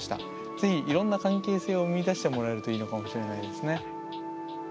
是非いろんな関係性を見いだしてもらえるといいのかもしれないですね。